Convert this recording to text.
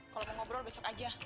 kalau mau ngobrol besok aja